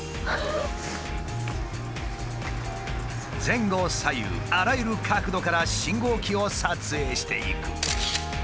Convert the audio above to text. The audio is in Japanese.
前後左右あらゆる角度から信号機を撮影していく。